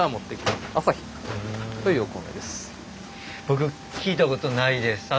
僕聞いたことないです。